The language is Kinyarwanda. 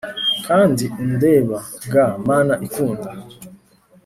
kandi undeba ga mana ikunda!